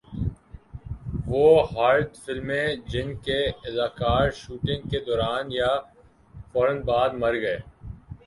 وہ ہارر فلمیں جن کے اداکار شوٹنگ کے دوران یا فورا بعد مر گئے